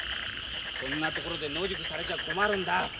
こんな所で野宿されちゃ困るんだ。